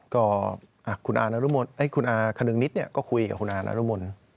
ก็คุณอาคนึงนิดก็คุยกับคุณอานรุมล